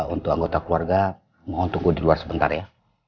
untuk anggota keluarga mohon tunggu di luar sebentar ya